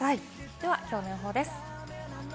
ではきょうの予報です。